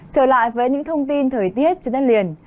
trở lại với những thông tin thời tiết trên đất liền